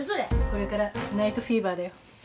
これからナイトフィーバーだよ。